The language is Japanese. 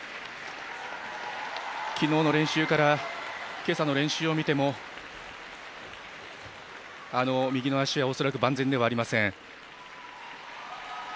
昨日の練習から今朝の練習を見ても右の足は恐らく万全ではありません。